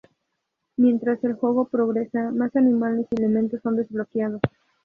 Mientras el juego progresa, más animales y elementos son desbloqueados.